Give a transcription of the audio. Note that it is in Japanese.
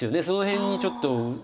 その辺にちょっと。